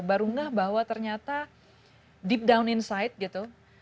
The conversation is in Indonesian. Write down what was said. baru ngeh bahwa ternyata deep down inside gitu